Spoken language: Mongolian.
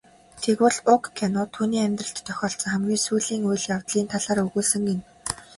Тэгвэл уг кино түүний амьдралд тохиолдсон хамгийн сүүлийн үйл явдлын талаар өгүүлсэн гэнэ.